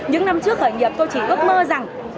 những năm trước khởi nghiệp tôi chỉ ước mơ rằng